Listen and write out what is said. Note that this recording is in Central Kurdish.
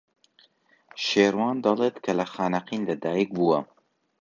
شێروان دەڵێت کە لە خانەقین لەدایک بووە.